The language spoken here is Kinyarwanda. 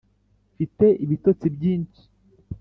mfite ibitotsi byinshi